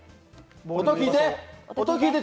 音、聴いて！